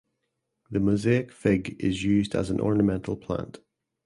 The mosaic fig is used as an ornamental plant.